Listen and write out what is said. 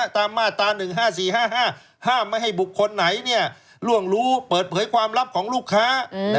ตามมาตรา๑๕๔๕๕ห้ามไม่ให้บุคคลไหนล่วงรู้เปิดเผยความลับของลูกค้า